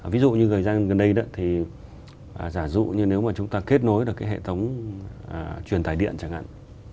ví dụ như thời gian gần đây thì giả dụ như nếu mà chúng ta kết nối được cái hệ thống truyền tải điện chẳng hạn